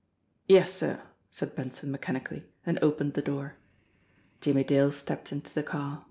"Yes, sir," said Benson mechanically and opened the door. Jimmie Dale stepped into the car.